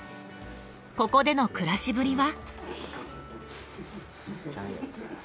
ここでの暮らしぶりは？